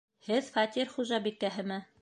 Һеҙ фатир хужабикәһеме?